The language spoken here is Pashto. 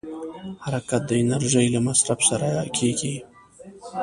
حرکت د انرژۍ له مصرف سره کېږي.